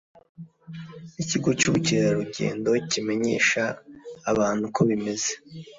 ikigo cy ubukerarugendo kimenyesha abantu uko bimeze